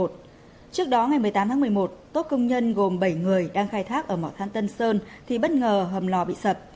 trước đó ngày một mươi tám tháng một mươi một tốt công nhân gồm bảy người đang khai thác ở mỏ than tân sơn thì bất ngờ hầm lò bị sập